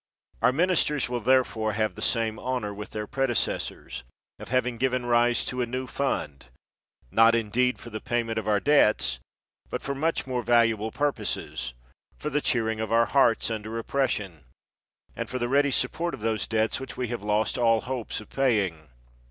Our ministers will therefore have the same honor with their predecessors, of having given rise to a new fund ; not indeed for the payment of our debts, but for much more valuable pur poses — for the cheering of our hearts under op pression, and for the ready support of those debts which we have lost all hopes of paying.